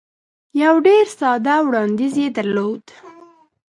یو ډېر ساده وړاندیز یې درلود.